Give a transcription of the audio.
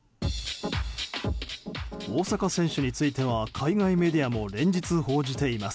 大坂選手については海外メディアも連日報じています。